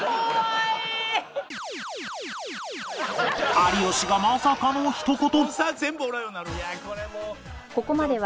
有吉がまさかのひと言